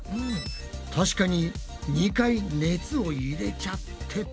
確かに２回熱を入れちゃってた。